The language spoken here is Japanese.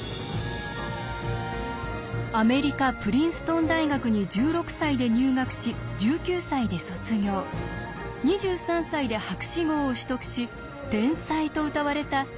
アメリカプリンストン大学に１６歳で入学し１９歳で卒業２３歳で博士号を取得し天才とうたわれた望月新一博士。